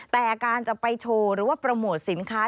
แต่การจะไปโชว์หรือว่าโปรโมทสินค้า